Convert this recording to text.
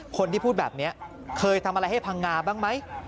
คนที่พูดแบบนี้เคยทำอะไรให้พังงาบ้างไหม